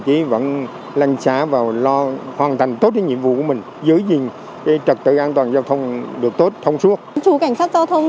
hình ảnh sắc phụ màu vàng vẫn càng mình bám chủ trên những tuyến đường phân luồng điều tiết giao thông